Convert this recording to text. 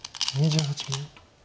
２８秒。